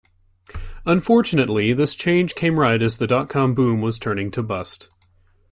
Unfortunately, this change came right as the dot-com boom was turning to bust.